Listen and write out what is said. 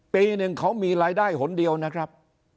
ปีหนึ่งเขามีรายได้หนเดียวนะครับ